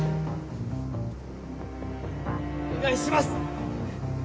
お願いします！